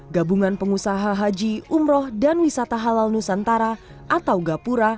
gabungan pengusaha haji umroh dan wisata halal nusantara atau gapura